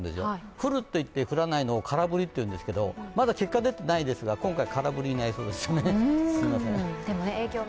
降るといって降らないのを空振りというんですけれどもまだ結果出ていないですが、今回、空振りになりそうですね。